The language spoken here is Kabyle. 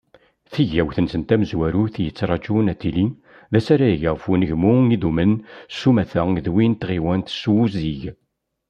Tigawt-nsen tamezwarut i yetturaǧun ad tili, d asarag ɣef unegmu idumen s umata d win n tɣiwant s wuzzig.